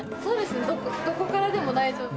どこからでも大丈夫です。